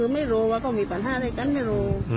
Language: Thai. ไม่รู้ว่าก็มีปัญหาได้จันตร์